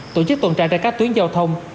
tổ chức tuần tra ra các tuyến giao thông